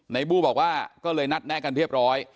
บู้บอกว่าก็เลยนัดแนะกันเรียบร้อย